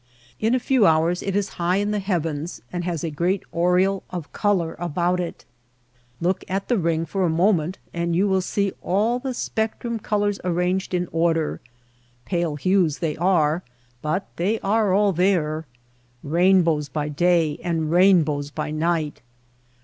In a few hours it is high in the heavens and has a great aureole of color about it. Look at the ring for a moment and you will DESERT SKY AND CLOUDS 105 see all the spectrum colors arranged in order. Pale hues they are but they are all there. Eain bows by day and rainbows by night